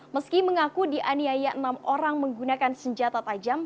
meski mengaku dianiaya enam orang menggunakan senjata tajam